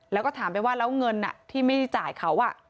แล้วก็ถามไปว่าแล้วเงินที่ไม่ได้จ่ายเขา